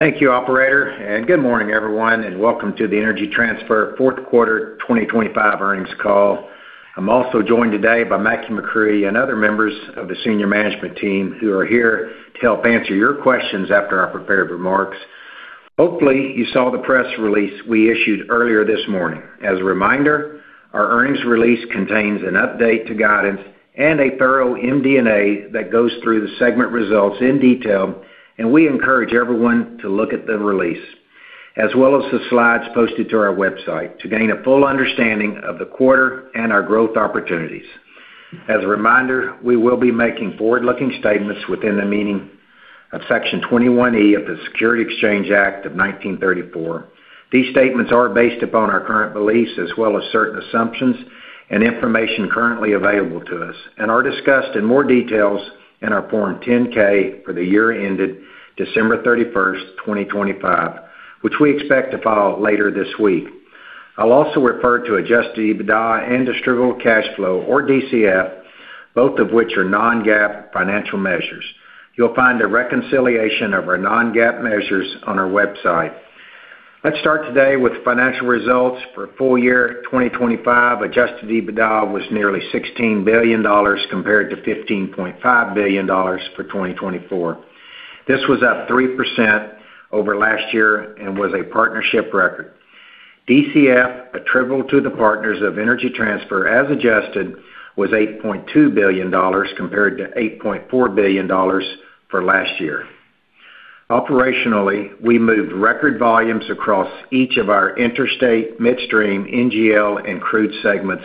Thank you, operator, and good morning, everyone, and welcome to the Energy Transfer Fourth Quarter 2025 Earnings Call. I'm also joined today by Mackie McCrea and other members of the senior management team, who are here to help answer your questions after our prepared remarks. Hopefully, you saw the press release we issued earlier this morning. As a reminder, our earnings release contains an update to guidance and a thorough MD&A that goes through the segment results in detail, and we encourage everyone to look at the release, as well as the slides posted to our website, to gain a full understanding of the quarter and our growth opportunities. As a reminder, we will be making forward-looking statements within the meaning of Section 21E of the Securities Exchange Act of 1934. These statements are based upon our current beliefs, as well as certain assumptions and information currently available to us, and are discussed in more details in our Form 10-K for the year ended December 31st, 2025, which we expect to file later this week. I'll also refer to Adjusted EBITDA and distributable cash flow, or DCF, both of which are non-GAAP financial measures. You'll find a reconciliation of our non-GAAP measures on our website. Let's start today with financial results for full year 2025. Adjusted EBITDA was nearly $16 billion compared to $15.5 billion for 2024. This was up 3% over last year and was a partnership record. DCF, attributable to the partners of Energy Transfer, as adjusted, was $8.2 billion compared to $8.4 billion for last year. Operationally, we moved record volumes across each of our interstate, midstream, NGL, and crude segments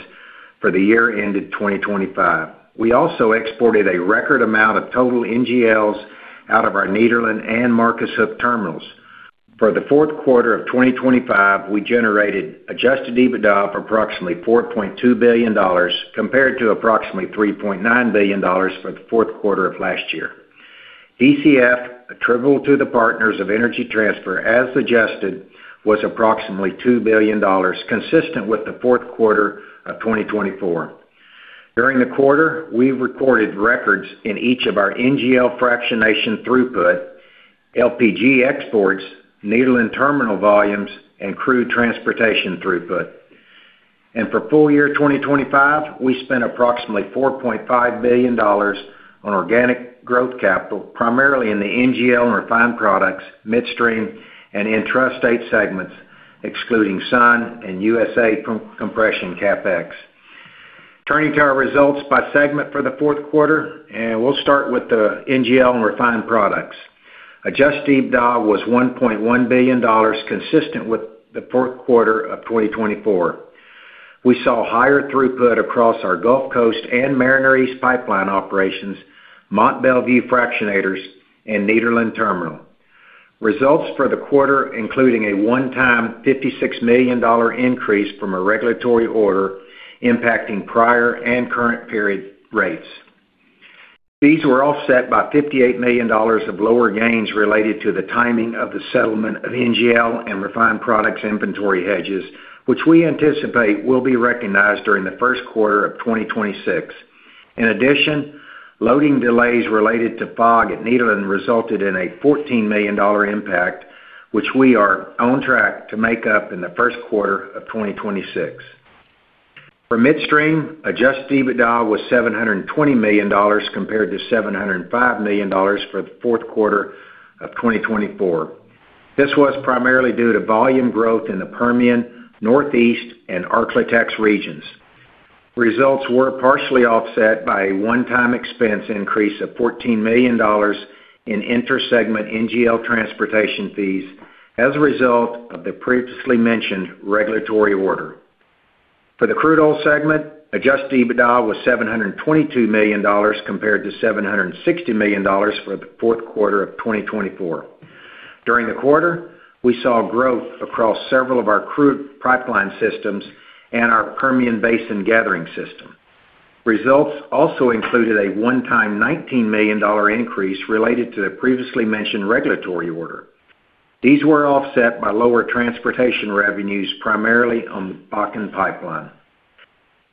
for the year ended 2025. We also exported a record amount of total NGLs out of our Nederland and Marcus Hook terminals. For the fourth quarter of 2025, we generated Adjusted EBITDA of approximately $4.2 billion, compared to approximately $3.9 billion for the fourth quarter of last year. DCF, attributable to the partners of Energy Transfer, as suggested, was approximately $2 billion, consistent with the fourth quarter of 2024. During the quarter, we recorded records in each of our NGL fractionation throughput, LPG exports, Nederland Terminal volumes, and crude transportation throughput. For full year 2025, we spent approximately $4.5 billion on organic growth capital, primarily in the NGL and refined products, midstream, and intrastate segments, excluding Sun and USA Compression CapEx. Turning to our results by segment for the fourth quarter, and we'll start with the NGL and refined products. Adjusted EBITDA was $1.1 billion, consistent with the fourth quarter of 2024. We saw higher throughput across our Gulf Coast and Mariner East pipeline operations, Mont Belvieu Fractionators, and Nederland Terminal. Results for the quarter, including a one-time $56 million increase from a regulatory order impacting prior and current period rates. These were offset by $58 million of lower gains related to the timing of the settlement of NGL and refined products inventory hedges, which we anticipate will be recognized during the first quarter of 2026. In addition, loading delays related to fog at Nederland resulted in a $14 million impact, which we are on track to make up in the first quarter of 2026. For midstream, Adjusted EBITDA was $720 million, compared to $705 million for the fourth quarter of 2024. This was primarily due to volume growth in the Permian, Northeast, and Ark-La-Tex regions. Results were partially offset by a one-time expense increase of $14 million in intersegment NGL transportation fees as a result of the previously mentioned regulatory order. For the crude oil segment, Adjusted EBITDA was $722 million, compared to $760 million for the fourth quarter of 2024. During the quarter, we saw growth across several of our crude pipeline systems and our Permian Basin gathering system. Results also included a one-time $19 million increase related to the previously mentioned regulatory order. These were offset by lower transportation revenues, primarily on the Bakken Pipeline.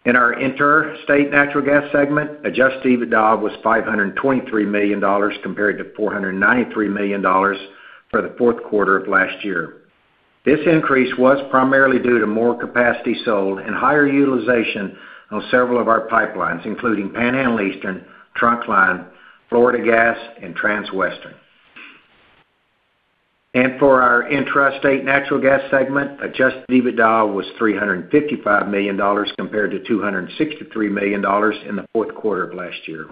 In our interstate natural gas segment, Adjusted EBITDA was $523 million, compared to $493 million for the fourth quarter of last year. This increase was primarily due to more capacity sold and higher utilization on several of our pipelines, including Panhandle Eastern, Trunkline, Florida Gas, and Transwestern. And for our intrastate natural gas segment, Adjusted EBITDA was $355 million, compared to $263 million in the fourth quarter of last year.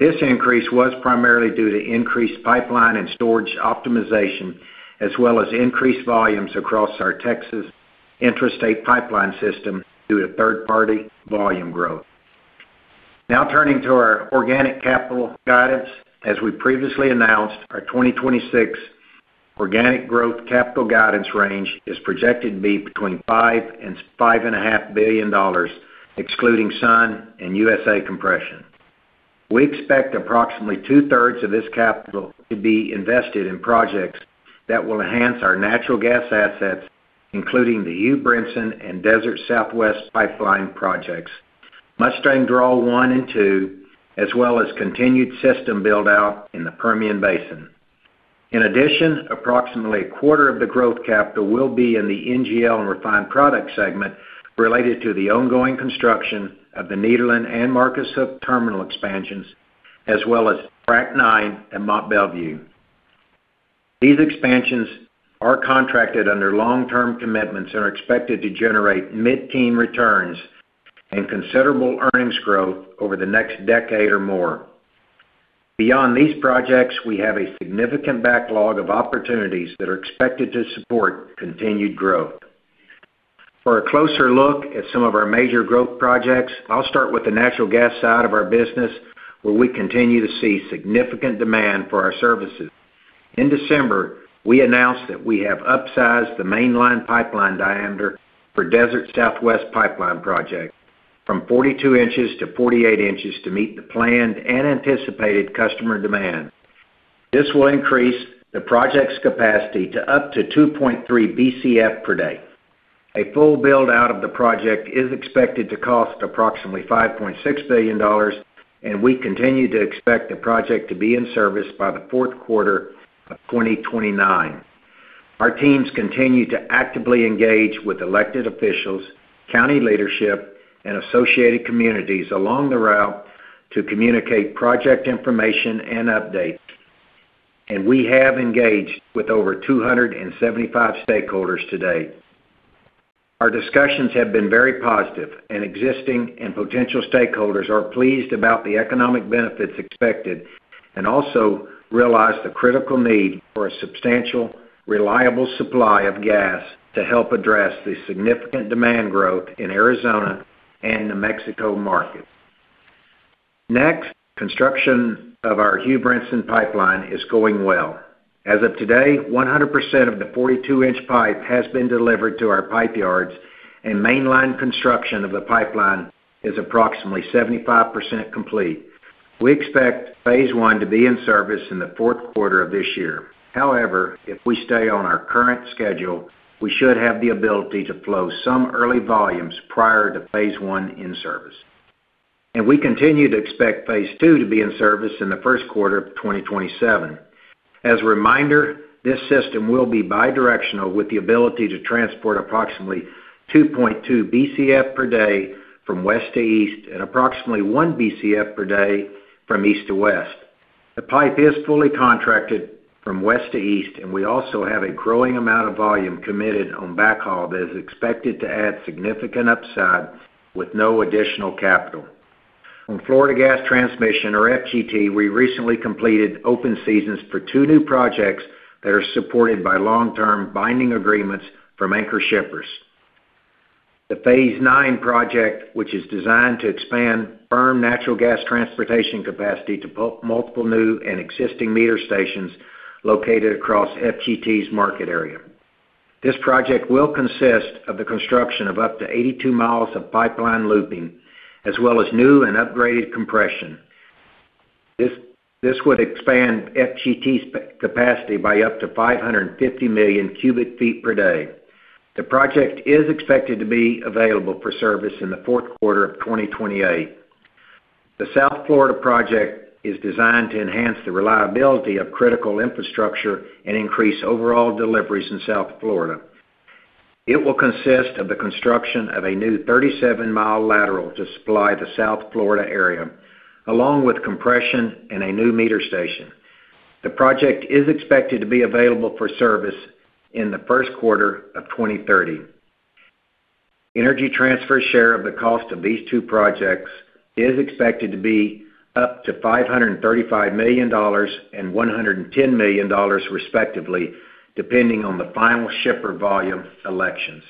This increase was primarily due to increased pipeline and storage optimization, as well as increased volumes across our Texas intrastate pipeline system due to third-party volume growth. Now, turning to our organic capital guidance. As we previously announced, our 2026 organic growth capital guidance range is projected to be between $5 and $5.5 billion, excluding Sun and USA Compression. We expect approximately 2/3 of this capital to be invested in projects that will enhance our natural gas assets, including the Hugoton and Desert Southwest Pipeline Projects, Mustang Draw 1 and 2, as well as continued system build-out in the Permian Basin. In addition, approximately a quarter of the growth capital will be in the NGL and refined products segment related to the ongoing construction of the Nederland and Marcus Hook terminal expansions, as well as Frac IX and Mont Belvieu. These expansions are contracted under long-term commitments and are expected to generate mid-teen returns and considerable earnings growth over the next decade or more. Beyond these projects, we have a significant backlog of opportunities that are expected to support continued growth. For a closer look at some of our major growth projects, I'll start with the natural gas side of our business, where we continue to see significant demand for our services. In December, we announced that we have upsized the mainline pipeline diameter for Desert Southwest Pipeline Project from 42 inches to 48 inches to meet the planned and anticipated customer demand. This will increase the project's capacity to up to 2.3 Bcf per day. A full build-out of the project is expected to cost approximately $5.6 billion, and we continue to expect the project to be in service by the fourth quarter of 2029. Our teams continue to actively engage with elected officials, county leadership, and associated communities along the route to communicate project information and updates, and we have engaged with over 275 stakeholders to date. Our discussions have been very positive, and existing and potential stakeholders are pleased about the economic benefits expected and also realize the critical need for a substantial, reliable supply of gas to help address the significant demand growth in Arizona and New Mexico market. Next, construction of our Hugh Brinson Pipeline is going well. As of today, 100% of the 42-inch pipe has been delivered to our pipe yards, and mainline construction of the pipeline is approximately 75% complete. We expect phase I to be in service in the fourth quarter of this year. However, if we stay on our current schedule, we should have the ability to flow some early volumes prior to phase I in service. We continue to expect phase II to be in service in the first quarter of 2027. As a reminder, this system will be bidirectional, with the ability to transport approximately 2.2 Bcf per day from west to east and approximately 1 Bcf per day from east to west. The pipe is fully contracted from west to east, and we also have a growing amount of volume committed on backhaul that is expected to add significant upside with no additional capital. On Florida Gas Transmission, or FGT, we recently completed open seasons for two new projects that are supported by long-term binding agreements from anchor shippers. The Phase IX project, which is designed to expand firm natural gas transportation capacity to multiple new and existing meter stations located across FGT's market area. This project will consist of the construction of up to 82 miles of pipeline looping, as well as new and upgraded compression. This would expand FGT's capacity by up to 550 million cubic feet per day. The project is expected to be available for service in the fourth quarter of 2028. The South Florida project is designed to enhance the reliability of critical infrastructure and increase overall deliveries in South Florida. It will consist of the construction of a new 37-mile lateral to supply the South Florida area, along with compression and a new meter station. The project is expected to be available for service in the first quarter of 2030. Energy Transfer's share of the cost of these two projects is expected to be up to $535 million and $110 million, respectively, depending on the final shipper volume elections.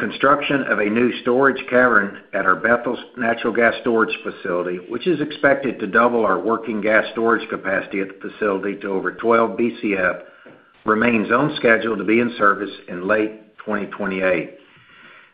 Construction of a new storage cavern at our Bethel Natural Gas Storage Facility, which is expected to double our working gas storage capacity at the facility to over 12 Bcf, remains on schedule to be in service in late 2028.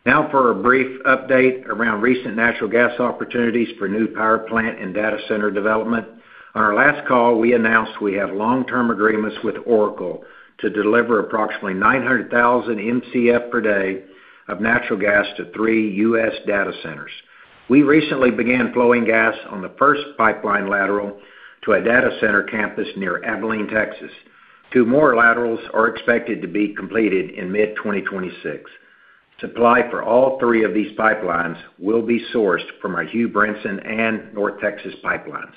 Now for a brief update around recent natural gas opportunities for new power plant and data center development. On our last call, we announced we have long-term agreements with Oracle to deliver approximately 900,000 Mcf per day of natural gas to three U.S. data centers. We recently began flowing gas on the first pipeline lateral to a data center campus near Abilene, Texas. Two more laterals are expected to be completed in mid-2026. Supply for all three of these pipelines will be sourced from our Hugh Brinson and North Texas pipelines.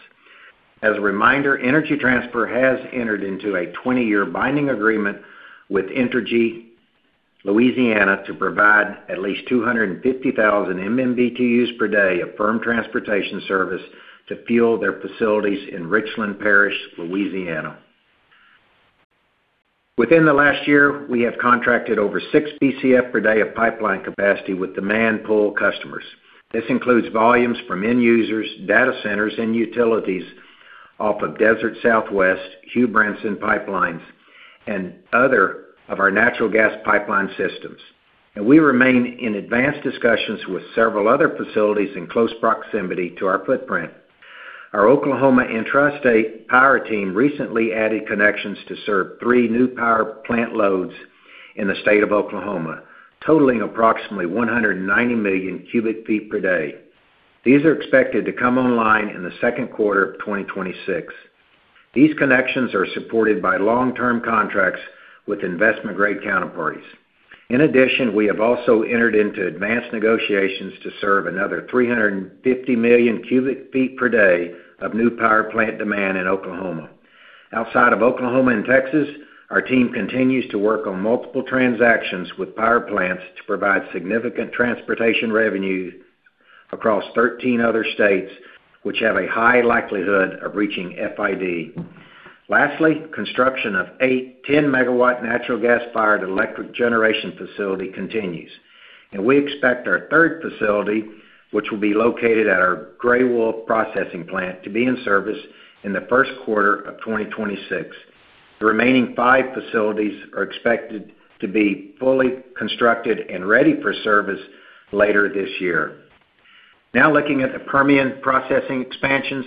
As a reminder, Energy Transfer has entered into a 20-year binding agreement with Entergy Louisiana to provide at least 250,000 MMBtu per day of firm transportation service to fuel their facilities in Richland Parish, Louisiana. Within the last year, we have contracted over 6 Bcf per day of pipeline capacity with demand-pull customers. This includes volumes from end users, data centers, and utilities off of Desert Southwest, Hugh Brinson pipelines, and other of our natural gas pipeline systems. We remain in advanced discussions with several other facilities in close proximity to our footprint.... Our Oklahoma Intrastate Power team recently added connections to serve three new power plant loads in the state of Oklahoma, totaling approximately 190 million cubic feet per day. These are expected to come online in the second quarter of 2026. These connections are supported by long-term contracts with investment-grade counterparties. In addition, we have also entered into advanced negotiations to serve another 350 million cubic feet per day of new power plant demand in Oklahoma. Outside of Oklahoma and Texas, our team continues to work on multiple transactions with power plants to provide significant transportation revenue across 13 other states, which have a high likelihood of reaching FID. Lastly, construction of 8-10 MW natural gas-fired electric generation facility continues, and we expect our third facility, which will be located at our Grey Wolf processing plant, to be in service in the first quarter of 2026. The remaining five facilities are expected to be fully constructed and ready for service later this year. Now, looking at the Permian processing expansions.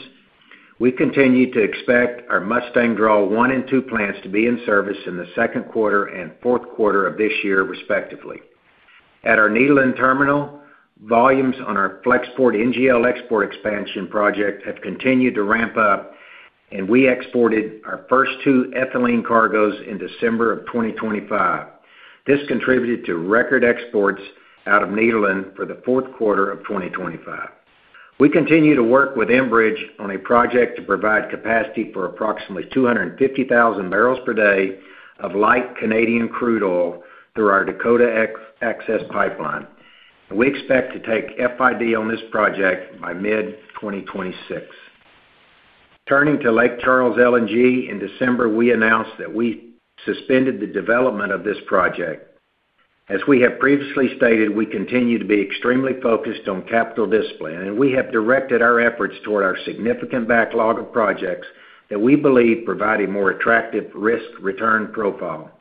We continue to expect our Mustang Draw 1 and 2 plants to be in service in the second quarter and fourth quarter of this year, respectively. At our Nederland Terminal, volumes on our Flex Export NGL export expansion project have continued to ramp up, and we exported our first 2 ethylene cargoes in December 2025. This contributed to record exports out of Nederland for the fourth quarter of 2025. We continue to work with Enbridge on a project to provide capacity for approximately 250,000 barrels per day of light Canadian crude oil through our Dakota Access Pipeline, and we expect to take FID on this project by mid-2026. Turning to Lake Charles LNG, in December, we announced that we suspended the development of this project. As we have previously stated, we continue to be extremely focused on capital discipline, and we have directed our efforts toward our significant backlog of projects that we believe provide a more attractive risk-return profile.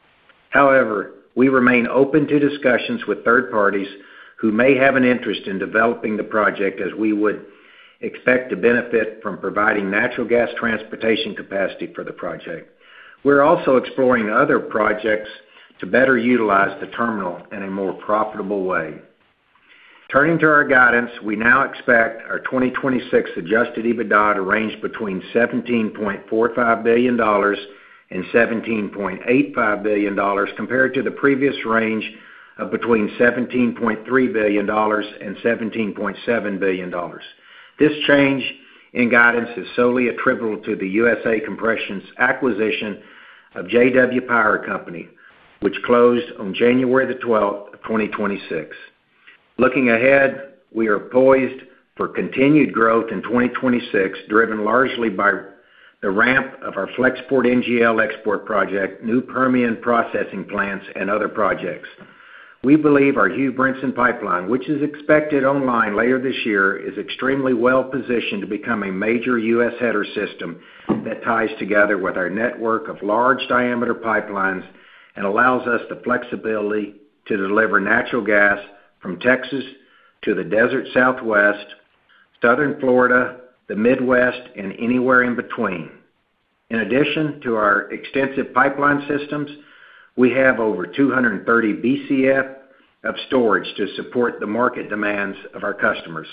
However, we remain open to discussions with third parties who may have an interest in developing the project, as we would expect to benefit from providing natural gas transportation capacity for the project. We're also exploring other projects to better utilize the terminal in a more profitable way. Turning to our guidance, we now expect our 2026 Adjusted EBITDA to range between $17.45 billion-$17.85 billion, compared to the previous range of between $17.3 billion-$17.7 billion. This change in guidance is solely attributable to the USA Compression's acquisition of J-W Power Company, which closed on January 12th, 2026. Looking ahead, we are poised for continued growth in 2026, driven largely by the ramp of our Flex Export NGL export project, new Permian processing plants, and other projects. We believe our Hugh Brinson Pipeline, which is expected online later this year, is extremely well-positioned to become a major U.S. header system that ties together with our network of large-diameter pipelines and allows us the flexibility to deliver natural gas from Texas to the Desert Southwest, South Florida, the Midwest, and anywhere in between. In addition to our extensive pipeline systems, we have over 230 Bcf of storage to support the market demands of our customers.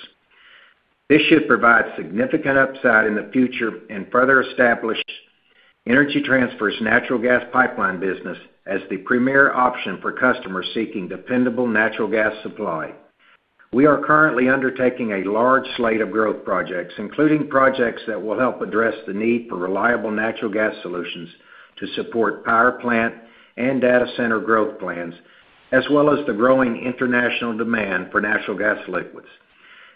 This should provide significant upside in the future and further establish Energy Transfer's natural gas pipeline business as the premier option for customers seeking dependable natural gas supply. We are currently undertaking a large slate of growth projects, including projects that will help address the need for reliable natural gas solutions to support power plant and data center growth plans, as well as the growing international demand for natural gas liquids.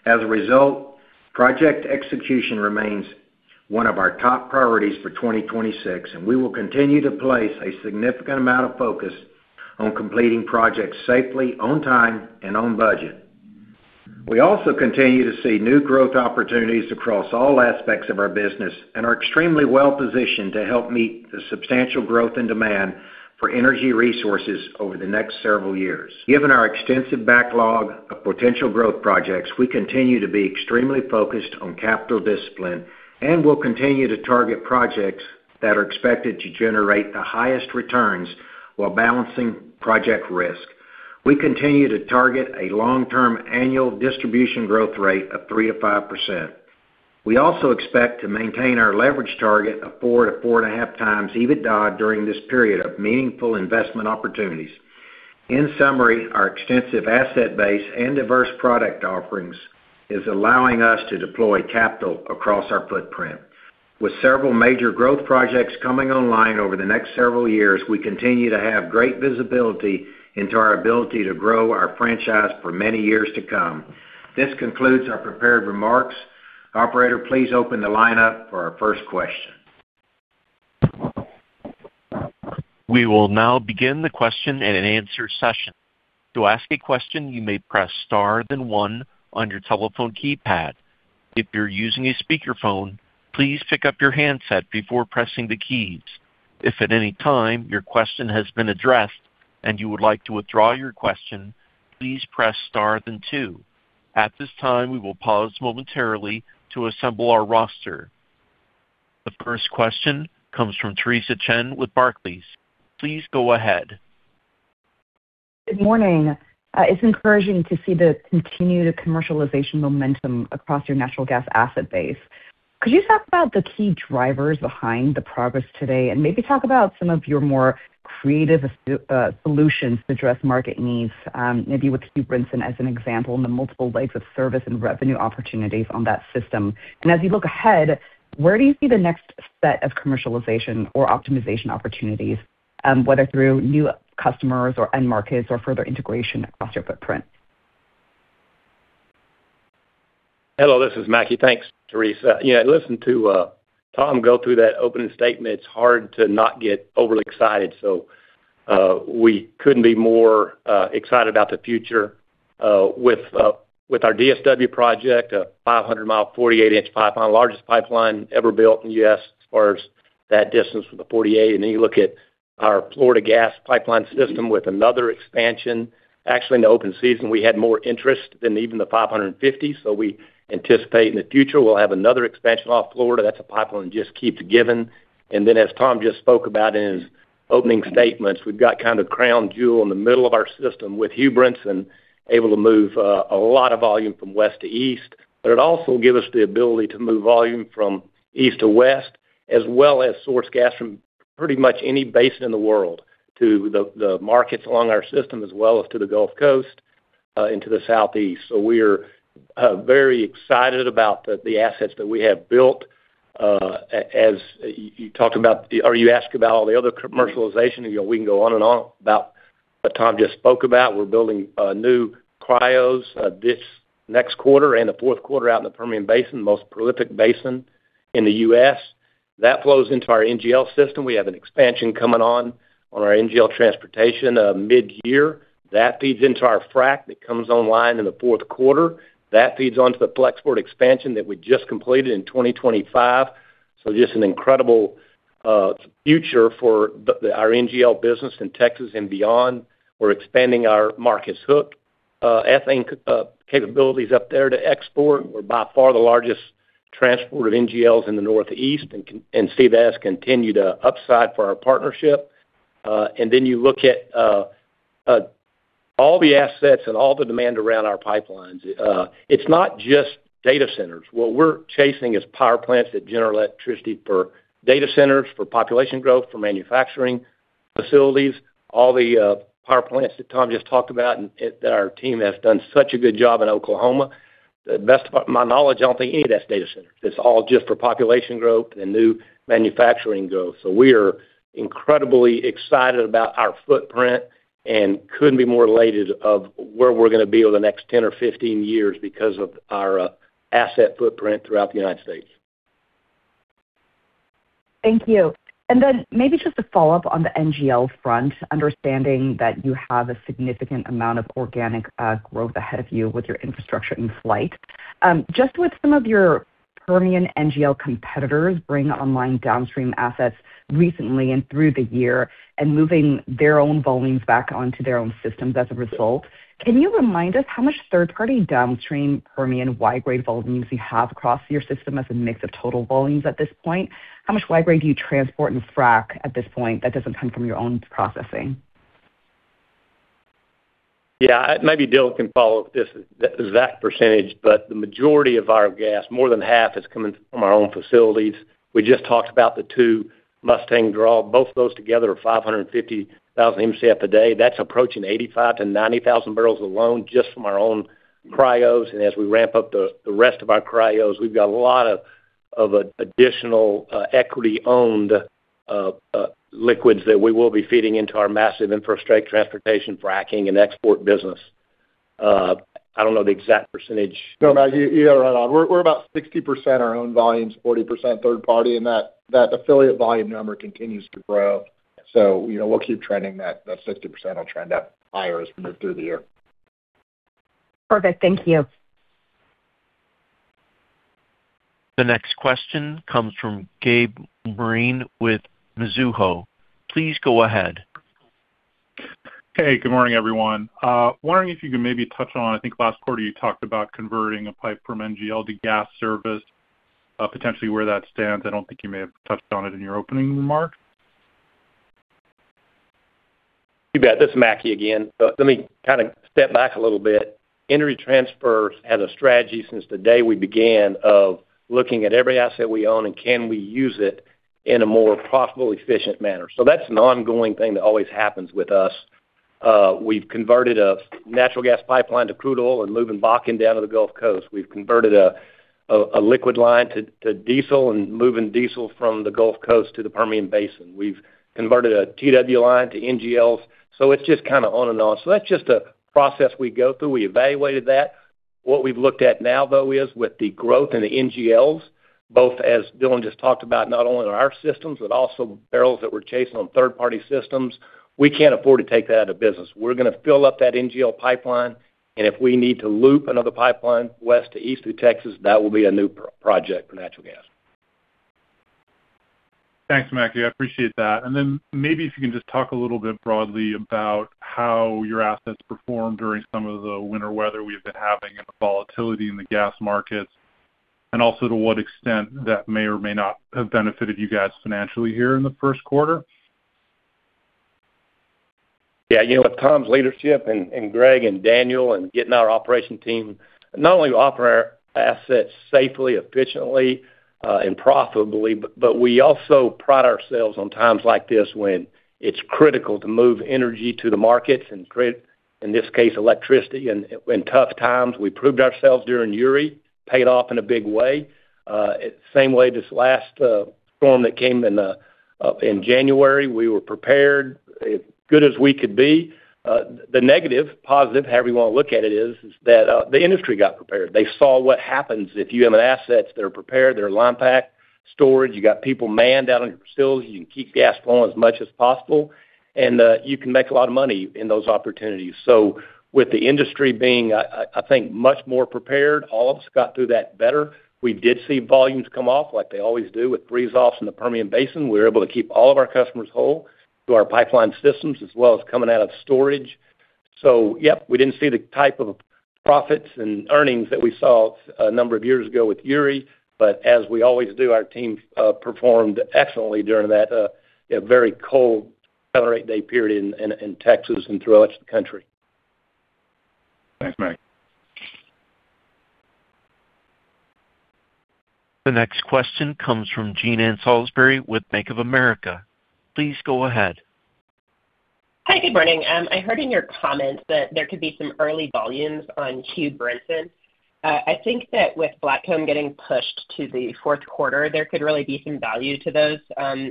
As a result, project execution remains one of our top priorities for 2026, and we will continue to place a significant amount of focus on completing projects safely, on time, and on budget. We also continue to see new growth opportunities across all aspects of our business and are extremely well positioned to help meet the substantial growth and demand for energy resources over the next several years. Given our extensive backlog of potential growth projects, we continue to be extremely focused on capital discipline and will continue to target projects that are expected to generate the highest returns while balancing project risk. We continue to target a long-term annual distribution growth rate of 3%-5%. We also expect to maintain our leverage target of 4-4.5x EBITDA during this period of meaningful investment opportunities. In summary, our extensive asset base and diverse product offerings is allowing us to deploy capital across our footprint. With several major growth projects coming online over the next several years, we continue to have great visibility into our ability to grow our franchise for many years to come. This concludes our prepared remarks. Operator, please open the line up for our first question. We will now begin the question-and-answer session. To ask a question, you may press star then one on your telephone keypad. If you're using a speakerphone, please pick up your handset before pressing the keys. If at any time your question has been addressed, and you would like to withdraw your question, please press star, then two. At this time, we will pause momentarily to assemble our roster. The first question comes from Theresa Chen with Barclays. Please go ahead. Good morning. It's encouraging to see the continued commercialization momentum across your natural gas asset base. Could you talk about the key drivers behind the progress today, and maybe talk about some of your more creative solutions to address market needs? Maybe with Hubrenton as an example, in the multiple legs of service and revenue opportunities on that system. As you look ahead, where do you see the next set of commercialization or optimization opportunities, whether through new customers or end markets or further integration across your footprint? Hello, this is Mackie. Thanks, Teresa. You know, listening to Tom go through that opening statement, it's hard to not get overly excited. So, we couldn't be more excited about the future with our DSW project, a 500-mile, 48-inch pipeline, largest pipeline ever built in the U.S. as far as that distance with the 48. And then you look at our Florida Gas pipeline system with another expansion. Actually, in the open season, we had more interest than even the 550, so we anticipate in the future we'll have another expansion off Florida. That's a pipeline that just keeps giving. And then, as Tom just spoke about in his opening statements, we've got kind of crown jewel in the middle of our system with Hugoton, able to move a lot of volume from west to east, but it also give us the ability to move volume from east to west, as well as source gas from pretty much any basin in the world to the markets along our system, as well as to the Gulf Coast, and to the Southeast. So we're very excited about the assets that we have built. As you talked about, or you asked about all the other commercialization, and, you know, we can go on and on about what Tom just spoke about. We're building new cryos this next quarter and the fourth quarter out in the Permian Basin, the most prolific basin in the U.S. That flows into our NGL system. We have an expansion coming on our NGL transportation, mid-year. That feeds into our Frac that comes online in the fourth quarter. That feeds onto the Flex Export expansion that we just completed in 2025. So just an incredible, future for the, our NGL business in Texas and beyond. We're expanding our Marcus Hook, ethane, capabilities up there to export. We're by far the largest transporter of NGLs in the Northeast, and con-- and C3+s continue to upside for our partnership. And then you look at, all the assets and all the demand around our pipelines. It's not just data centers. What we're chasing is power plants that generate electricity for data centers, for population growth, for manufacturing facilities, all the power plants that Tom just talked about, and that our team has done such a good job in Oklahoma. To the best of my knowledge, I don't think any of that's data centers. It's all just for population growth and new manufacturing growth. So we are incredibly excited about our footprint and couldn't be more elated of where we're gonna be over the next 10 or 15 years because of our asset footprint throughout the United States. Thank you. And then maybe just a follow-up on the NGL front, understanding that you have a significant amount of organic growth ahead of you with your infrastructure in flight. Just with some of your Permian NGL competitors bringing online downstream assets recently and through the year and moving their own volumes back onto their own systems as a result, can you remind us how much third-party downstream Permian wide grade volumes you have across your system as a mix of total volumes at this point? How much wide grade do you transport and frac at this point that doesn't come from your own processing? Yeah, maybe Dylan can follow up with this exact percentage, but the majority of our gas, more than half, is coming from our own facilities. We just talked about the two Mustang Draw. Both of those together are 550,000 Mcf a day. That's approaching 85,000-90,000 barrels alone, just from our own cryos. And as we ramp up the rest of our cryos, we've got a lot of additional equity-owned liquids that we will be feeding into our massive infrastructure, transportation, fractionation and export business. I don't know the exact percentage. No, Mackie, you got it right on. We're about 60% our own volumes, 40% third party, and that affiliate volume number continues to grow. So you know, we'll keep trending that. That 60% will trend up higher as we move through the year. Perfect. Thank you. The next question comes from Gabe Moreen with Mizuho. Please go ahead. Hey, good morning, everyone. Wondering if you could maybe touch on, I think last quarter you talked about converting a pipe from NGL to gas service, potentially where that stands. I don't think you may have touched on it in your opening remarks. You bet. This is Mackie again. Let me kind of step back a little bit. Energy Transfer has a strategy since the day we began of looking at every asset we own and can we use it in a more profitable, efficient manner. So that's an ongoing thing that always happens with us. We've converted a natural gas pipeline to crude oil and moving Bakken down to the Gulf Coast. We've converted a liquid line to diesel and moving diesel from the Gulf Coast to the Permian Basin. We've converted a TW line to NGLs, so it's just kind of on and on. So that's just a process we go through. We evaluated that. What we've looked at now, though, is with the growth in the NGLs, both as Dylan just talked about, not only on our systems, but also barrels that we're chasing on third-party systems, we can't afford to take that out of business. We're gonna fill up that NGL pipeline, and if we need to loop another pipeline west to east through Texas, that will be a new project for natural gas.... Thanks, Mackie, I appreciate that. And then maybe if you can just talk a little bit broadly about how your assets performed during some of the winter weather we've been having and the volatility in the gas markets, and also to what extent that may or may not have benefited you guys financially here in the first quarter? Yeah, you know what? Tom's leadership and Greg and Daniel, and getting our operation team not only to operate our assets safely, efficiently, and profitably, but we also pride ourselves on times like this when it's critical to move energy to the markets and, in this case, electricity. And in tough times, we proved ourselves during Uri, paid off in a big way. Same way, this last storm that came in in January, we were prepared as good as we could be. The negative, positive, however you wanna look at it, is that the industry got prepared. They saw what happens if you have assets that are prepared, they're line pack, storage, you got people manned out on your facilities, you can keep gas flowing as much as possible, and you can make a lot of money in those opportunities. So with the industry being, I think, much more prepared, all of us got through that better. We did see volumes come off like they always do with freeze-offs in the Permian Basin. We were able to keep all of our customers whole through our pipeline systems, as well as coming out of storage. So yep, we didn't see the type of profits and earnings that we saw a number of years ago with Uri, but as we always do, our team performed excellently during that very cold 7 or 8-day period in Texas and throughout the country. Thanks, Mackie. The next question comes from Jean Ann Salisbury with Bank of America. Please go ahead. Hi, good morning. I heard in your comments that there could be some early volumes on Hugh Brinson. I think that with Blackhawk getting pushed to the fourth quarter, there could really be some value to those.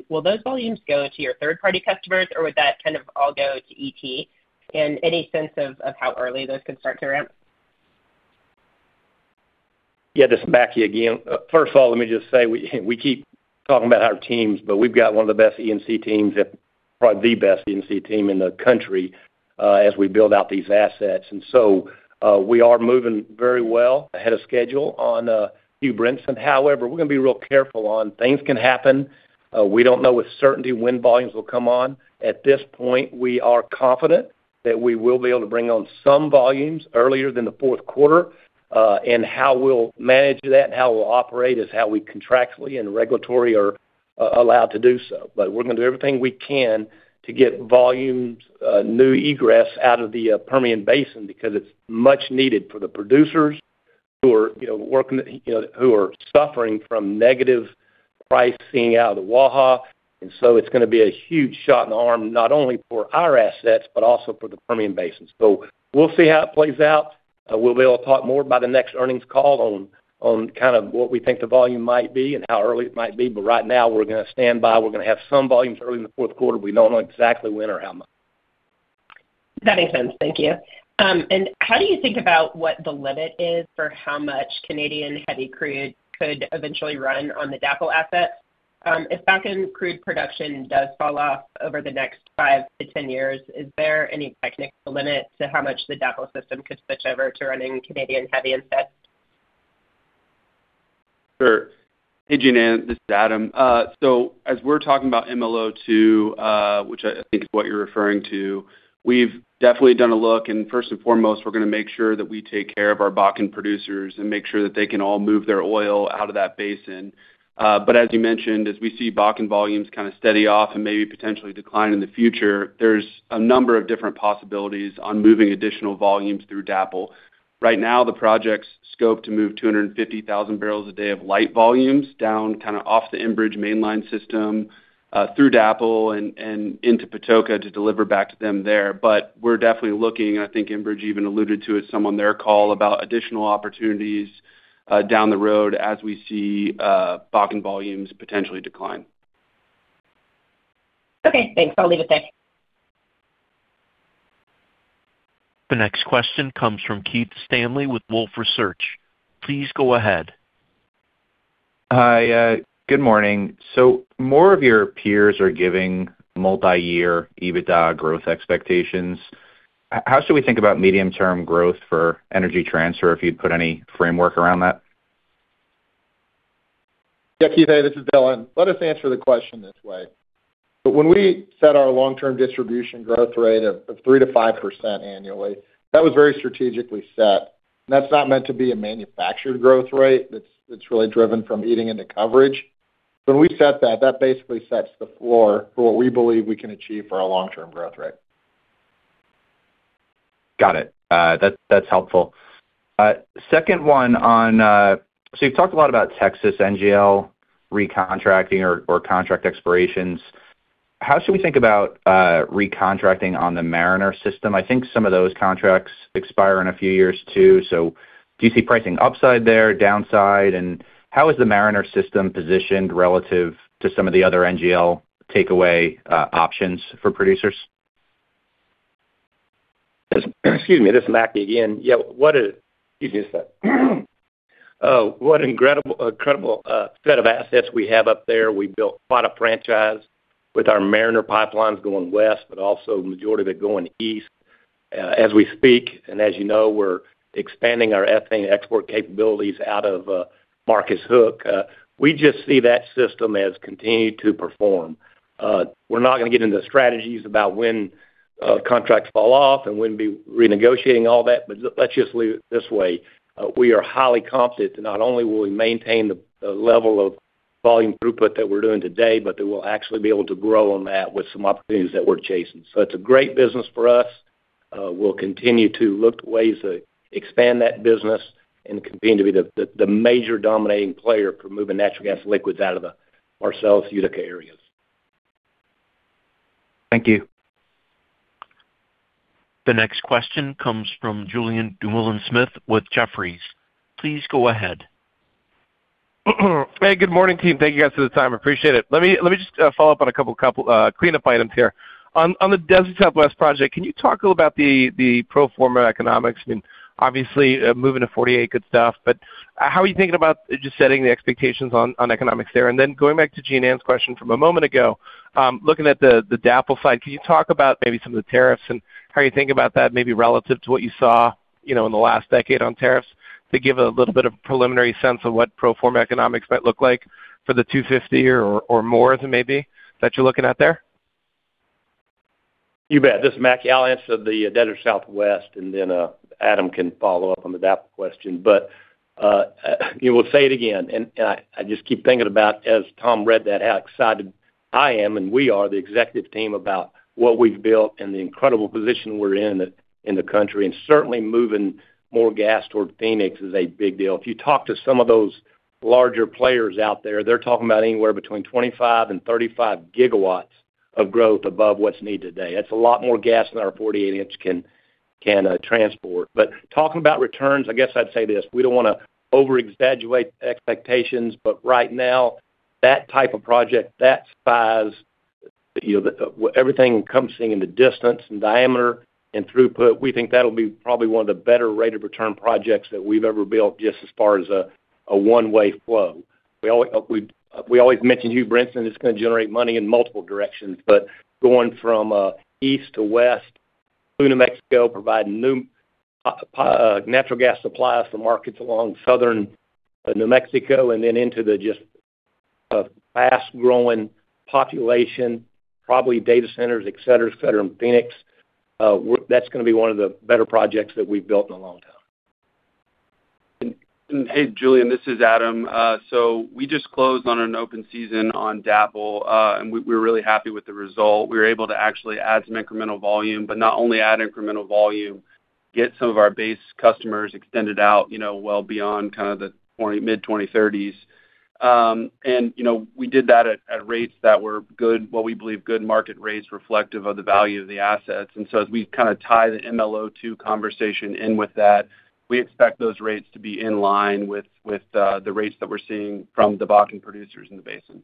Will those volumes go to your third-party customers, or would that kind of all go to ET? And any sense of how early those could start to ramp? Yeah, this is Mackie again. First of all, let me just say, we keep talking about our teams, but we've got one of the best E&C teams, if not the best E&C team in the country, as we build out these assets. And so, we are moving very well ahead of schedule on Hugh Brinson. However, we're gonna be real careful. Things can happen. We don't know with certainty when volumes will come on. At this point, we are confident that we will be able to bring on some volumes earlier than the fourth quarter. And how we'll manage that and how we'll operate is how we contractually and regulatory are allowed to do so. But we're gonna do everything we can to get volumes, new egress out of the Permian Basin because it's much needed for the producers who are, you know, working, you know, who are suffering from negative pricing out of the Waha. And so it's gonna be a huge shot in the arm, not only for our assets, but also for the Permian Basin. So we'll see how it plays out. We'll be able to talk more about the next earnings call on, on kind of what we think the volume might be and how early it might be, but right now we're gonna stand by. We're gonna have some volumes early in the fourth quarter. We don't know exactly when or how much. That makes sense. Thank you. And how do you think about what the limit is for how much Canadian heavy crude could eventually run on the DAPL asset? If Bakken crude production does fall off over the next 5-10 years, is there any technical limit to how much the DAPL system could switch over to running Canadian heavy instead? Sure. Hey, Jean Ann, this is Adam. So as we're talking about MLO2, which I, I think is what you're referring to, we've definitely done a look. First and foremost, we're gonna make sure that we take care of our Bakken producers and make sure that they can all move their oil out of that basin. But as you mentioned, as we see Bakken volumes kind of steady off and maybe potentially decline in the future, there's a number of different possibilities on moving additional volumes through DAPL. Right now, the project's scoped to move 250,000 barrels a day of light volumes down, kind of off the Enbridge mainline system, through DAPL and into Patoka to deliver back to them there. But we're definitely looking, and I think Enbridge even alluded to it some on their call about additional opportunities, down the road as we see, Bakken volumes potentially decline. Okay, thanks. I'll leave it there. The next question comes from Keith Stanley with Wolfe Research. Please go ahead. Hi, good morning. More of your peers are giving multi-year EBITDA growth expectations. How should we think about medium-term growth for Energy Transfer, if you'd put any framework around that? Yeah, Keith, hey, this is Dylan. Let us answer the question this way. When we set our long-term distribution growth rate of 3%-5% annually, that was very strategically set. That's not meant to be a manufactured growth rate that's really driven from eating into coverage. When we set that, that basically sets the floor for what we believe we can achieve for our long-term growth rate. Got it. That, that's helpful. Second one on—so you've talked a lot about Texas NGL recontracting or, or contract expirations. How should we think about recontracting on the Mariner system? I think some of those contracts expire in a few years, too. So do you see pricing upside there, downside? And how is the Mariner system positioned relative to some of the other NGL takeaway options for producers? Excuse me, this is Mackie again. Yeah, what a, excuse me a second. What an incredible, incredible set of assets we have up there. We built quite a franchise with our Mariner pipelines going west, but also majority of it going east. As we speak, and as you know, we're expanding our ethane export capabilities out of Marcus Hook. We just see that system as continuing to perform. We're not gonna get into strategies about when contracts fall off and when we'd be renegotiating all that, but let's just leave it this way: we are highly confident that not only will we maintain the level of volume throughput that we're doing today, but that we'll actually be able to grow on that with some opportunities that we're chasing. So it's a great business for us. We'll continue to look at ways to expand that business and continue to be the major dominating player for moving natural gas liquids out of the Marcellus Utica areas. Thank you. The next question comes from Julien Dumoulin-Smith with Jefferies. Please go ahead. Hey, good morning, team. Thank you guys for the time. Appreciate it. Let me, let me just, follow up on a couple, couple, cleanup items here. On, on the Desert Southwest project, can you talk a little about the, the pro forma economics? I mean, obviously, moving to 48, good stuff, but, how are you thinking about just setting the expectations on, on economics there? And then going back to Jean Ann's question from a moment ago, looking at the, the DAPL side, can you talk about maybe some of the tariffs and how you think about that, maybe relative to what you saw, you know, in the last decade on tariffs, to give a little bit of preliminary sense of what pro forma economics might look like for the $250 or, or more, maybe, that you're looking at there? You bet. This is Mackie. I'll answer the Desert Southwest, and then Adam can follow up on the DAPL question. But we'll say it again, and I just keep thinking about, as Tom read that, how excited I am, and we are, the executive team, about what we've built and the incredible position we're in, in the country, and certainly moving more gas toward Phoenix is a big deal. If you talk to some of those larger players out there, they're talking about anywhere between 25 and 35 GW of growth above what's needed today. That's a lot more gas than our 48-inch can transport. But talking about returns, I guess I'd say this: We don't wanna over-exaggerate the expectations, but right now, that type of project, that size, you know, everything coming into distance and diameter and throughput, we think that'll be probably one of the better rate of return projects that we've ever built just as far as a one-way flow. We always, we always mention Hugh Brinson, it's gonna generate money in multiple directions, but going from east to west through New Mexico, providing new natural gas supplies for markets along southern New Mexico and then into the just fast-growing population, probably data centers, et cetera, et cetera, in Phoenix, that's gonna be one of the better projects that we've built in a long time. Hey, Julien, this is Adam. So we just closed on an open season on DAPL, and we're really happy with the result. We were able to actually add some incremental volume, but not only add incremental volume, get some of our base customers extended out, you know, well beyond kind of the 20, mid-2030s. And, you know, we did that at rates that were good, what we believe, good market rates reflective of the value of the assets. And so as we kind of tie the MLO2 conversation in with that, we expect those rates to be in line with the rates that we're seeing from the Bakken producers in the basin.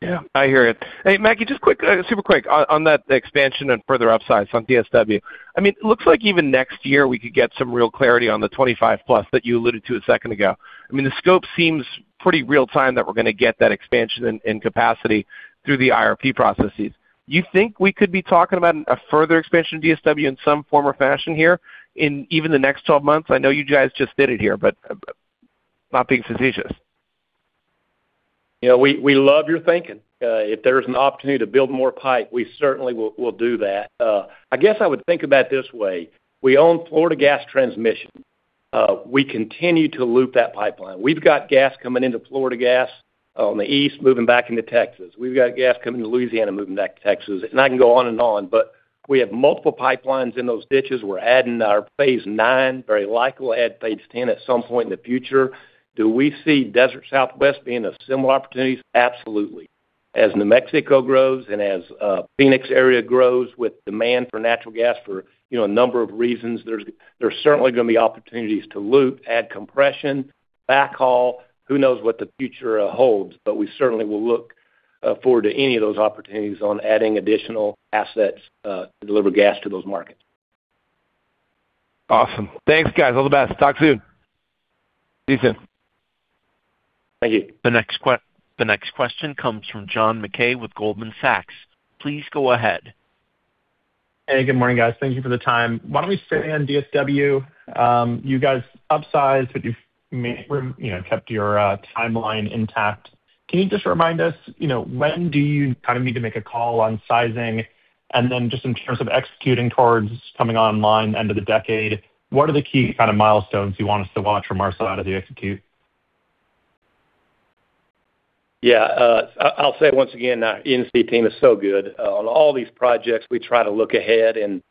Yeah, I hear you. Hey, Mackie, just quick, super quick, on that expansion and further upside on DSW. I mean, it looks like even next year, we could get some real clarity on the 25+ that you alluded to a second ago. I mean, the scope seems pretty real-time that we're gonna get that expansion and capacity through the IRP processes. You think we could be talking about a further expansion of DSW in some form or fashion here in even the next 12 months? I know you guys just did it here, but not being suspicious. Yeah, we love your thinking. If there's an opportunity to build more pipe, we certainly will do that. I guess I would think about it this way: We own Florida Gas Transmission. We continue to loop that pipeline. We've got gas coming into Florida Gas on the east, moving back into Texas. We've got gas coming to Louisiana, moving back to Texas, and I can go on and on, but we have multiple pipelines in those ditches. We're adding our phase IX, very likely we'll add phase X at some point in the future. Do we see Desert Southwest being of similar opportunities? Absolutely. As New Mexico grows and as Phoenix area grows with demand for natural gas for, you know, a number of reasons, there's certainly gonna be opportunities to loop, add compression, backhaul. Who knows what the future holds, but we certainly will look forward to any of those opportunities on adding additional assets to deliver gas to those markets. Awesome. Thanks, guys. All the best. Talk soon. See you soon. Thank you. The next question comes from John Mackay with Goldman Sachs. Please go ahead. Hey, good morning, guys. Thank you for the time. Why don't we stay on DSW? You guys upsized, but you know, kept your timeline intact. Can you just remind us, you know, when do you kind of need to make a call on sizing? And then just in terms of executing towards coming online end of the decade, what are the key kind of milestones you want us to watch from our side of the execute? Yeah, I'll say it once again, our E&C team is so good. On all these projects, we try to look ahead, and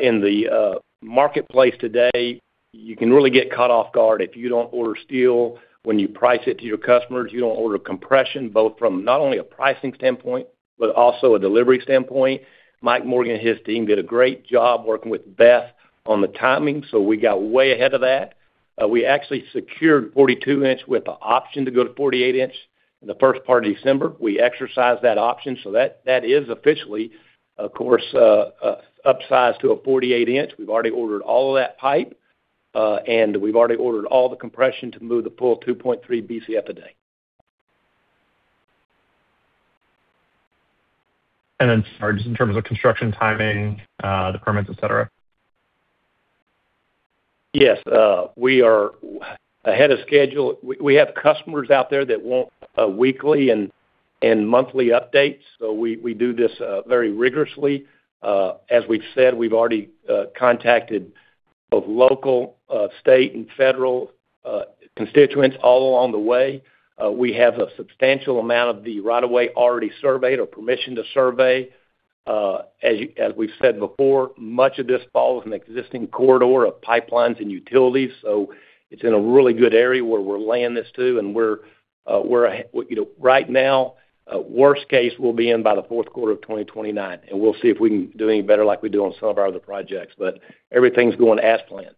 in the marketplace today, you can really get caught off guard if you don't order steel when you price it to your customers, you don't order compression, both from not only a pricing standpoint, but also a delivery standpoint. Mike Morgan and his team did a great job working with Beth on the timing, so we got way ahead of that. We actually secured 42-inch with the option to go to 48-inch in the first part of December. We exercised that option, so that is officially, of course, upsized to a 48-inch. We've already ordered all of that pipe, and we've already ordered all the compression to move the full 2.3 Bcf/d.... sorry, just in terms of construction timing, the permits, et cetera? Yes, we are ahead of schedule. We have customers out there that want weekly and monthly updates, so we do this very rigorously. As we've said, we've already contacted both local, state, and federal constituents all along the way. We have a substantial amount of the right of way already surveyed or permission to survey. As we've said before, much of this falls in an existing corridor of pipelines and utilities, so it's in a really good area where we're laying this to, and we're, you know, right now, worst case, we'll be in by the fourth quarter of 2029, and we'll see if we can do any better like we do on some of our other projects. But everything's going as planned.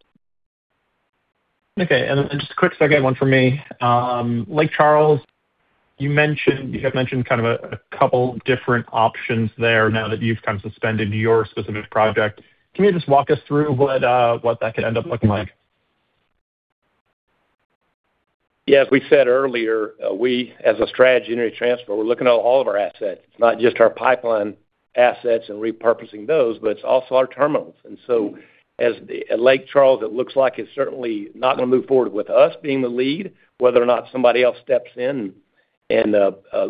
Okay. And just a quick second one for me. Lake Charles, you mentioned, you have mentioned kind of a couple different options there now that you've kind of suspended your specific project. Can you just walk us through what, what that could end up looking like? Yeah, as we said earlier, as a strategy, Energy Transfer, we're looking at all of our assets, not just our pipeline assets and repurposing those, but it's also our terminals. And so at Lake Charles, it looks like it's certainly not going to move forward with us being the lead. Whether or not somebody else steps in and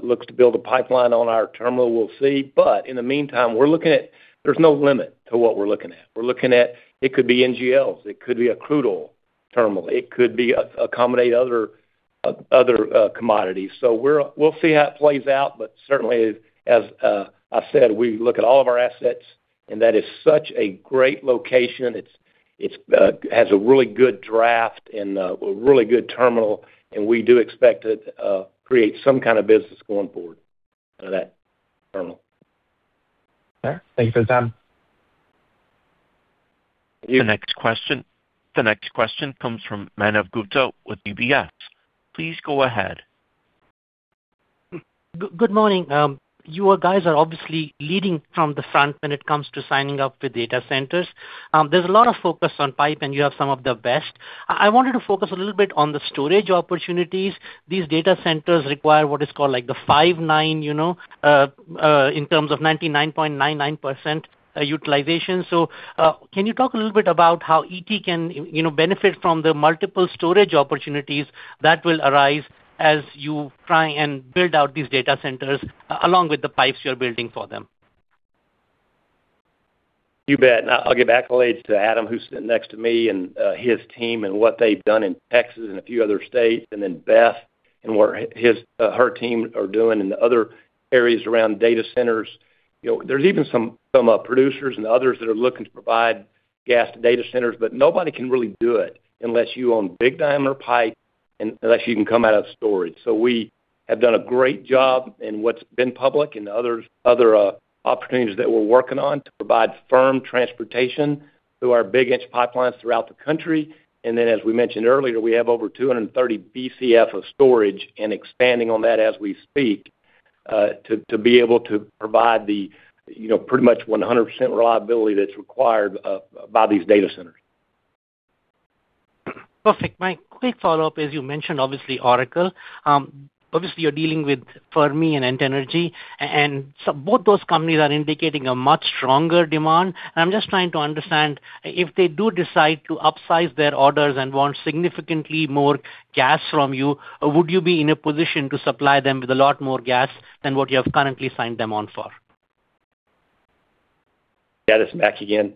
looks to build a pipeline on our terminal, we'll see. But in the meantime, we're looking at. There's no limit to what we're looking at. We're looking at, it could be NGLs, it could be a crude oil terminal, it could be accommodate other commodities. So we'll see how it plays out, but certainly, as I said, we look at all of our assets, and that is such a great location. It has a really good draft and a really good terminal, and we do expect it to create some kind of business going forward out of that terminal. Okay. Thank you for the time. You- The next question, the next question comes from Manav Gupta with UBS. Please go ahead. Good morning. You guys are obviously leading from the front when it comes to signing up for data centers. There's a lot of focus on pipe, and you have some of the best. I wanted to focus a little bit on the storage opportunities. These data centers require what is called, like, the five-nine, you know, in terms of 99.99% utilization. So, can you talk a little bit about how ET can, you know, benefit from the multiple storage opportunities that will arise as you try and build out these data centers along with the pipes you're building for them? You bet. Now, I'll give accolades to Adam, who's sitting next to me, and his team and what they've done in Texas and a few other states, and then Beth and what his her team are doing in the other areas around data centers. You know, there's even some producers and others that are looking to provide gas to data centers, but nobody can really do it unless you own big diameter pipe and unless you can come out of storage. So we have done a great job in what's been public and other opportunities that we're working on to provide firm transportation through our big inch pipelines throughout the country. As we mentioned earlier, we have over 230 Bcf of storage and expanding on that as we speak to be able to provide the, you know, pretty much 100% reliability that's required by these data centers. Perfect. My quick follow-up is, you mentioned obviously Oracle. Obviously, you're dealing with Fermi and Entergy, and so both those companies are indicating a much stronger demand. I'm just trying to understand, if they do decide to upsize their orders and want significantly more gas from you, would you be in a position to supply them with a lot more gas than what you have currently signed them on for? That is back again.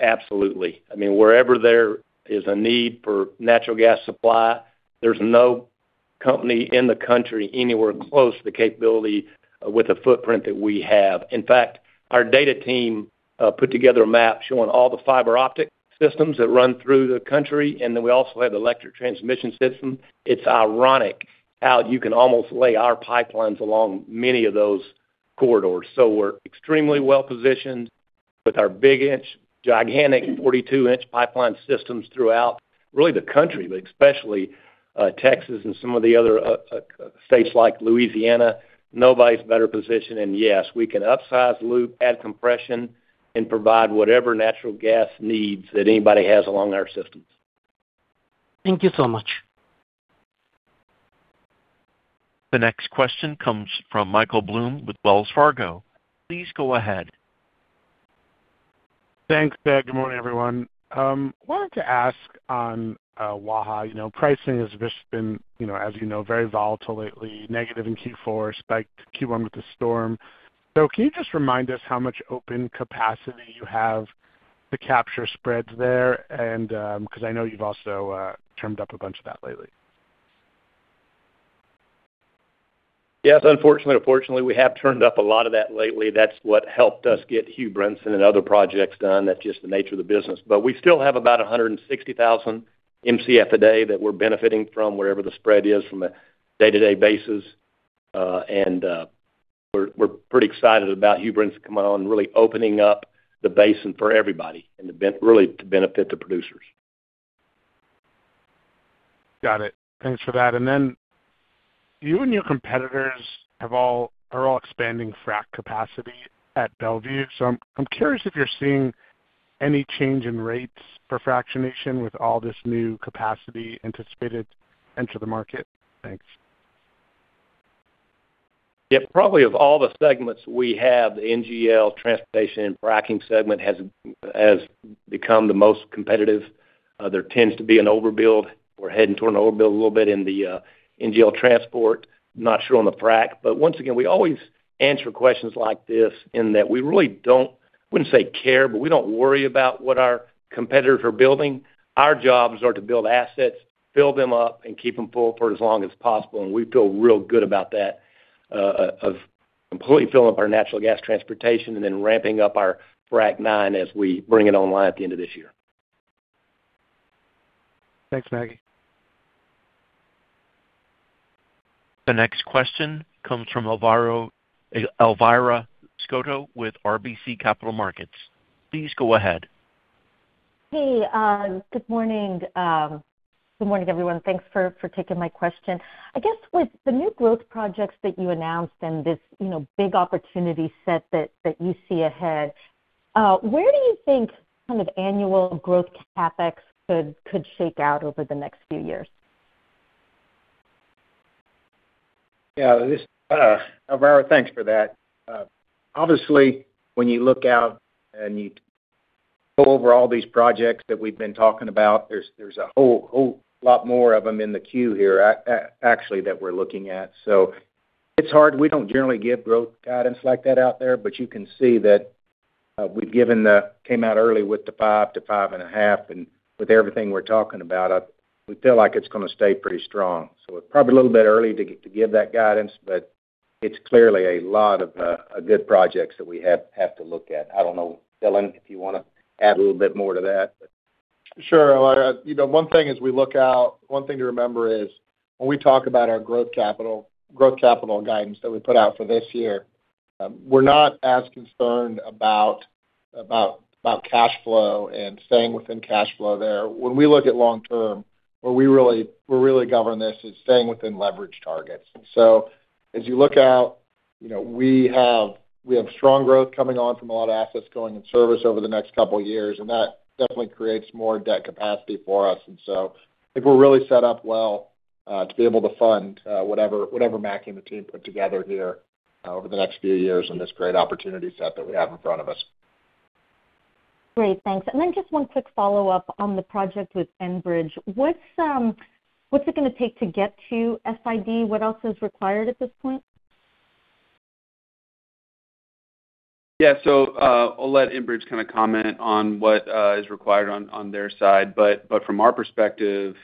Absolutely. I mean, wherever there is a need for natural gas supply, there's no company in the country anywhere close to the capability with the footprint that we have. In fact, our data team put together a map showing all the fiber optic systems that run through the country, and then we also have the electric transmission system. It's ironic how you can almost lay our pipelines along many of those corridors. So we're extremely well positioned with our big inch, gigantic 42-inch pipeline systems throughout, really the country, but especially Texas and some of the other states like Louisiana. Nobody's better positioned, and yes, we can upsize, loop, add compression, and provide whatever natural gas needs that anybody has along our systems. Thank you so much. The next question comes from Michael Blum with Wells Fargo. Please go ahead. Thanks, Tom. Good morning, everyone. Wanted to ask on Waha, you know, pricing has just been, you know, as you know, very volatile lately, negative in Q4, spiked Q1 with the storm. So can you just remind us how much open capacity you have to capture spreads there? And, because I know you've also turned up a bunch of that lately. Yes, unfortunately or fortunately, we have turned up a lot of that lately. That's what helped us get Hugh Brinson and other projects done. That's just the nature of the business. But we still have about 160,000 Mcf a day that we're benefiting from wherever the spread is from a day-to-day basis. And we're pretty excited about Hugh Brinson coming on, really opening up the basin for everybody and to benefit the producers. Got it. Thanks for that. Then you and your competitors are all expanding frac capacity at Mont Belvieu. So I'm, I'm curious if you're seeing ... any change in rates for fractionation with all this new capacity anticipated into the market? Thanks. Yeah, probably of all the segments we have, the NGL transportation and fractionation segment has, has become the most competitive. There tends to be an overbuild. We're heading toward an overbuild a little bit in the NGL transport. Not sure on the fractionation, but once again, we always answer questions like this in that we really don't, I wouldn't say care, but we don't worry about what our competitors are building. Our jobs are to build assets, fill them up, and keep them full for as long as possible, and we feel real good about that of completely filling up our natural gas transportation and then ramping up our Frac IX as we bring it online at the end of this year. Thanks, Mackie. The next question comes from Elvira Scotto with RBC Capital Markets. Please go ahead. Hey, good morning. Good morning, everyone. Thanks for taking my question. I guess with the new growth projects that you announced and this, you know, big opportunity set that you see ahead, where do you think kind of annual growth CapEx could shake out over the next few years? Yeah, this, Elvira, thanks for that. Obviously, when you look out and you go over all these projects that we've been talking about, there's, there's a whole, whole lot more of them in the queue here actually, that we're looking at. So it's hard. We don't generally give growth guidance like that out there, but you can see that, we've given the-- came out early with the 5-5.5, and with everything we're talking about, we feel like it's gonna stay pretty strong. So it's probably a little bit early to, to give that guidance, but it's clearly a lot of, a good projects that we have, have to look at. I don't know, Dylan, if you wanna add a little bit more to that, but. Sure, Elvira. You know, one thing as we look out, one thing to remember is, when we talk about our growth capital, growth capital guidance that we put out for this year, we're not as concerned about cash flow and staying within cash flow there. When we look at long term, where we really-- we really govern this, is staying within leverage targets. So as you look out, you know, we have, we have strong growth coming on from a lot of assets going in service over the next couple of years, and that definitely creates more debt capacity for us. And so I think we're really set up well to be able to fund whatever Mackie and the team put together here over the next few years in this great opportunity set that we have in front of us. Great, thanks. Then just one quick follow-up on the project with Enbridge. What's it gonna take to get to FID? What else is required at this point? Yeah. So, I'll let Enbridge kind of comment on what is required on their side. But from our perspective,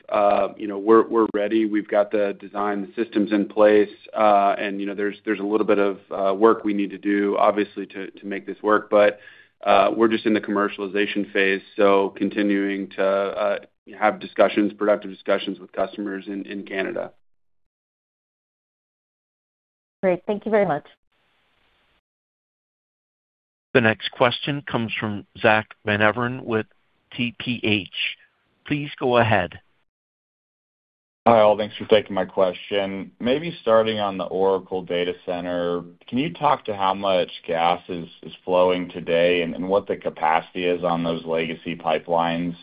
you know, we're ready. We've got the design systems in place, and you know, there's a little bit of work we need to do, obviously, to make this work. But we're just in the commercialization phase, so continuing to have discussions, productive discussions with customers in Canada. Great. Thank you very much. The next question comes from Zack Van Everen with TPH. Please go ahead. Hi, all. Thanks for taking my question. Maybe starting on the Oracle Data Center, can you talk to how much gas is flowing today and what the capacity is on those legacy pipelines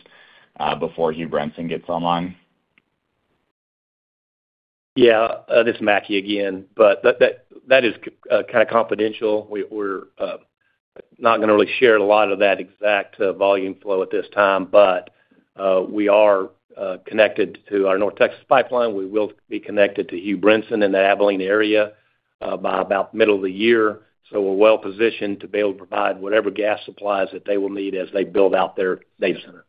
before Hugh Brinson gets online? Yeah, this is Mackie again, but that is kind of confidential. We're not gonna really share a lot of that exact volume flow at this time, but we are connected to our North Texas Pipeline. We will be connected to Hugh Brinson in the Abilene area by about middle of the year. So we're well positioned to be able to provide whatever gas supplies that they will need as they build out their data center.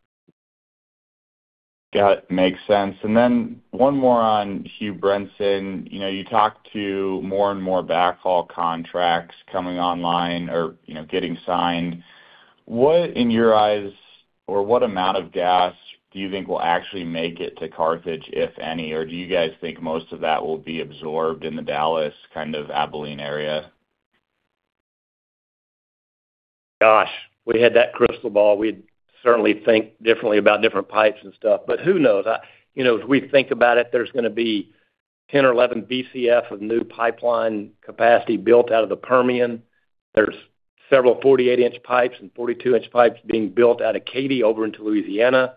Got it. Makes sense. And then one more on Hugh Brinson. You know, you talked to more and more backhaul contracts coming online or, you know, getting signed. What, in your eyes, or what amount of gas do you think will actually make it to Carthage, if any? Or do you guys think most of that will be absorbed in the Dallas kind of Abilene area? Gosh, if we had that crystal ball, we'd certainly think differently about different pipes and stuff, but who knows? You know, as we think about it, there's gonna be 10 or 11 Bcf of new pipeline capacity built out of the Permian. There's several 48-inch pipes and 42-inch pipes being built out of Katy over into Louisiana.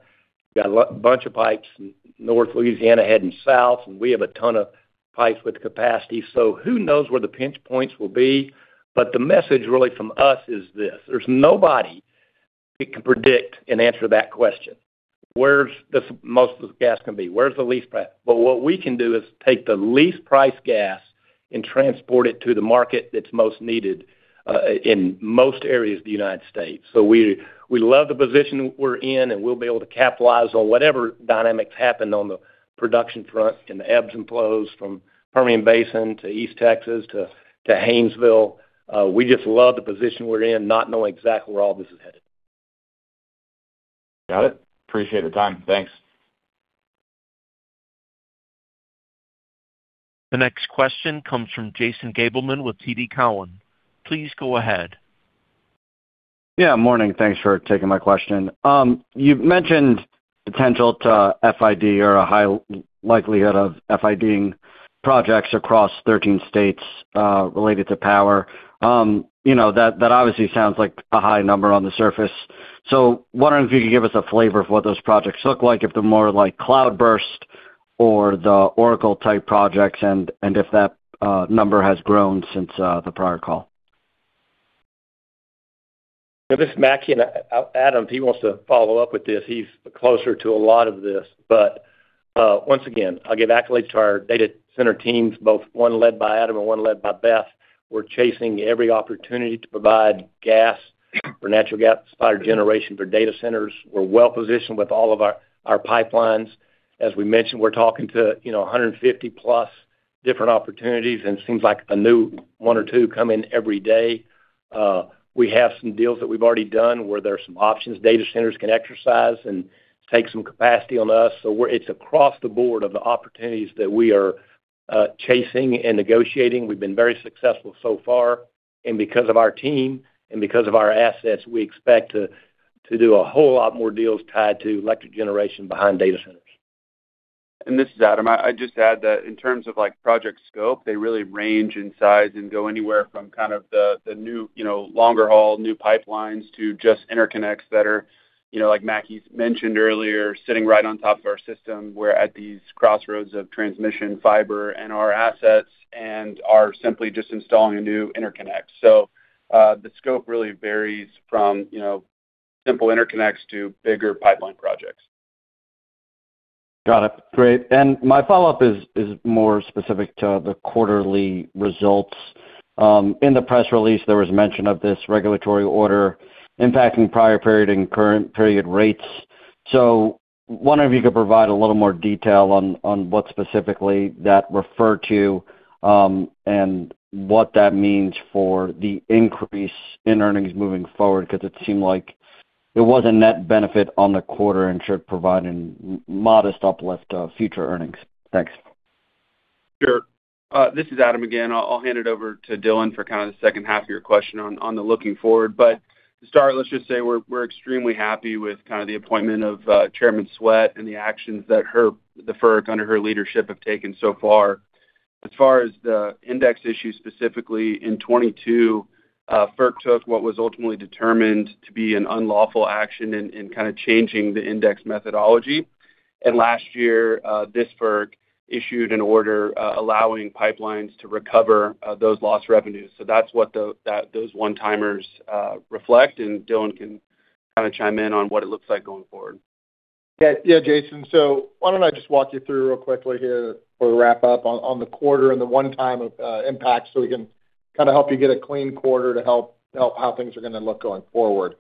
Got a bunch of pipes in North Louisiana heading south, and we have a ton of pipes with capacity, so who knows where the pinch points will be? But the message really from us is this: There's nobody that can predict and answer that question. Where's the most of the gas gonna be? Where's the least pipe? But what we can do is take the least priced gas and transport it to the market that's most needed in most areas of the United States. So we, we love the position we're in, and we'll be able to capitalize on whatever dynamics happen on the production front and the ebbs and flows from Permian Basin to East Texas to, to Haynesville. We just love the position we're in, not knowing exactly where all this is headed. Got it. Appreciate the time. Thanks. The next question comes from Jason Gabelman with TD Cowen. Please go ahead. Yeah, morning. Thanks for taking my question. You've mentioned potential to FID or a high likelihood of FID-ing projects across 13 states, related to power. You know, that obviously sounds like a high number on the surface. So wondering if you could give us a flavor of what those projects look like, if they're more like Cloudburst or the Oracle-type projects, and if that number has grown since the prior call? This is Mackie, and Adam, if he wants to follow up with this, he's closer to a lot of this. But once again, I'll give accolades to our data center teams, both one led by Adam and one led by Beth. We're chasing every opportunity to provide gas or natural gas-fired generation for data centers. We're well positioned with all of our, our pipelines. As we mentioned, we're talking to, you know, 150+ different opportunities, and it seems like a new one or two come in every day. We have some deals that we've already done where there are some options data centers can exercise and take some capacity on us. So we're—it's across the board of the opportunities that we are chasing and negotiating. We've been very successful so far, and because of our team and because of our assets, we expect to do a whole lot more deals tied to electric generation behind data centers. This is Adam. I just add that in terms of, like, project scope, they really range in size and go anywhere from kind of the new, you know, longer haul, new pipelines, to just interconnects that are, you know, like Mackie mentioned earlier, sitting right on top of our system, where at these crossroads of transmission, fiber, and our assets, and are simply just installing a new interconnect. So, the scope really varies from, you know, simple interconnects to bigger pipeline projects. Got it. Great. And my follow-up is more specific to the quarterly results. In the press release, there was mention of this regulatory order impacting prior period and current period rates. So wondering if you could provide a little more detail on what specifically that referred to, and what that means for the increase in earnings moving forward, because it seemed like it was a net benefit on the quarter and should provide a modest uplift of future earnings. Thanks. Sure. This is Adam again. I'll hand it over to Dylan for kind of the second half of your question on the looking forward. But to start, let's just say we're extremely happy with kind of the appointment of Chairman Sweat and the actions that the FERC, under her leadership, have taken so far. As far as the index issue, specifically in 2022, FERC took what was ultimately determined to be an unlawful action in kind of changing the index methodology. And last year, this FERC issued an order allowing pipelines to recover those lost revenues. So that's what those one-timers reflect, and Dylan can kind of chime in on what it looks like going forward. Yeah, yeah, Jason, so why don't I just walk you through real quickly here, or wrap up on the quarter and the one-time impact, so we can kind of help you get a clean quarter to help how things are going to look going forward.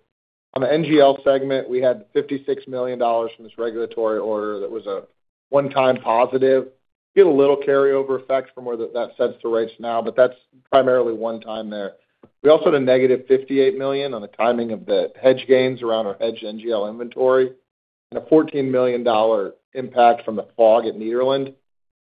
On the NGL segment, we had $56 million from this regulatory order. That was a one-time positive. Get a little carryover effect from where that sets the rates now, but that's primarily one time there. We also had a negative $58 million on the timing of the hedge gains around our hedge NGL inventory and a $14 million impact from the fog at Nederland.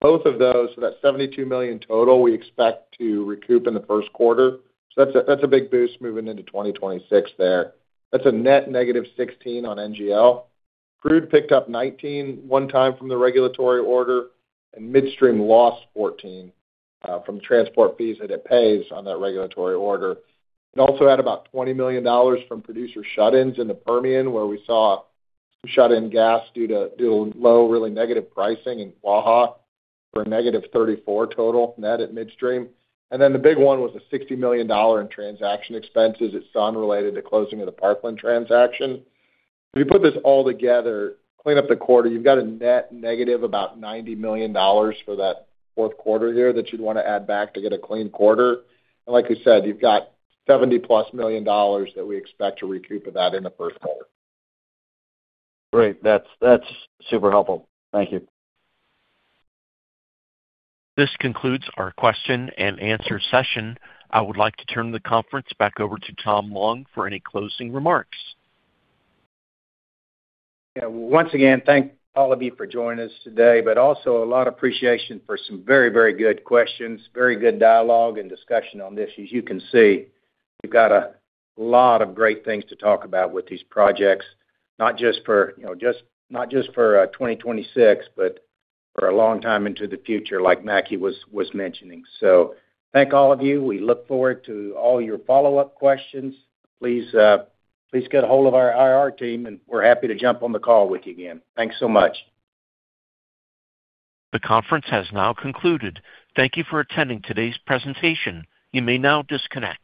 Both of those, so that $72 million total, we expect to recoup in the first quarter, so that's a big boost moving into 2026 there. That's a net negative 16 on NGL. Crude picked up 19 one time from the regulatory order, and midstream lost 14 from transport fees that it pays on that regulatory order. It also had about $20 million from producer shut-ins in the Permian, where we saw some shut-in gas due to low, really negative pricing in Waha, for a -34 total net at midstream. And then the big one was a $60 million in transaction expenses it saw unrelated to closing of the Parkland transaction. If you put this all together, clean up the quarter, you've got a net negative about $90 million for that fourth quarter here that you'd want to add back to get a clean quarter. And like you said, you've got $70+ million that we expect to recoup of that in the first quarter. Great. That's, that's super helpful. Thank you. This concludes our question-and-answer session. I would like to turn the conference back over to Tom Long for any closing remarks. Yeah. Once again, thank all of you for joining us today, but also a lot of appreciation for some very, very good questions, very good dialogue and discussion on this. As you can see, we've got a lot of great things to talk about with these projects, not just for, you know, not just for 2026, but for a long time into the future, like Mackie was mentioning. So thank all of you. We look forward to all your follow-up questions. Please, please get a hold of our IR team, and we're happy to jump on the call with you again. Thanks so much. The conference has now concluded. Thank you for attending today's presentation. You may now disconnect.